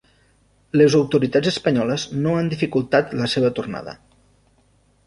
Les autoritats espanyoles no han dificultat la seva tornada.